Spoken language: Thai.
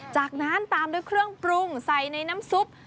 จากนั้นตามด้วยเครื่องปรุงใส่ในน้ำซุป